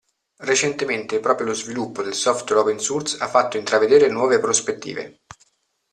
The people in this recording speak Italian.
Recentemente proprio lo sviluppo del software open source ha fatto intravedere nuove prospettive.